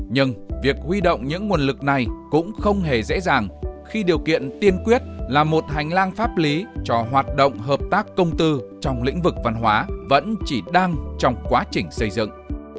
nhưng việc huy động những nguồn lực này cũng không hề dễ dàng khi điều kiện tiên quyết là một hành lang pháp lý cho hoạt động hợp tác công tư trong lĩnh vực văn hóa vẫn chỉ đang trong quá trình xây dựng